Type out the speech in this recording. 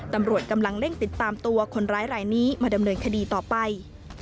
ตำรวจกำลังเร่งติดตามตัวคนร้ายรายนี้มาดำเนินคดีต่อไป